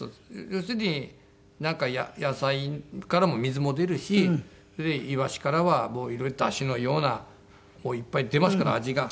要するになんか野菜からも水も出るしイワシからはもういろいろだしのようなもういっぱい出ますから味が。